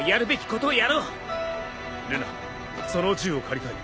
ルナその銃を借りたい。